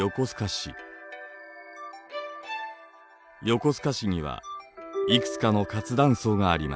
横須賀市にはいくつかの活断層があります。